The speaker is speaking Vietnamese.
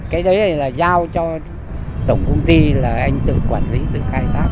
cái đấy là giao cho tổng công ty là anh tự quản lý tự khai thác